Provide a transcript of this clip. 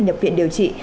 nhập viện điều trị